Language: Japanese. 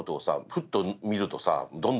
ふと見るとさ」